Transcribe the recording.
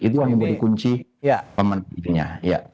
itu yang menjadi kunci pemenangnya